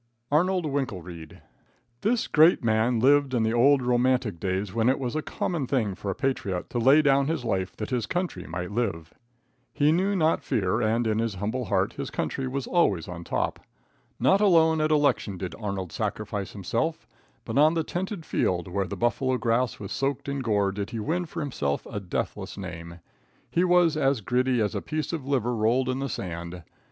Arnold Winkelreid. This great man lived in the old romantic days when it was a common thing for a patriot to lay down his life that his country might live. He knew not fear, and in his noble heart his country was always on top. Not alone at election did Arnold sacrifice himself, but on the tented field, where the buffalo grass was soaked in gore, did he win for himself a deathless name. He was as gritty as a piece of liver rolled in the sand.